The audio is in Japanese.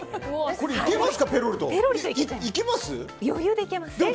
これ、いけますか？